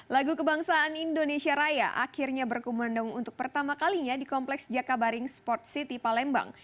lagu kebangsaan indonesia raya akhirnya berkumendung untuk pertama kalinya di kompleks jakabaring sport city palembang